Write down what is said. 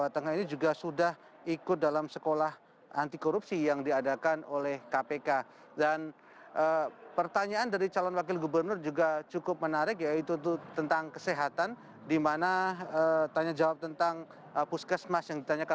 terima kasih atas kerjasamanya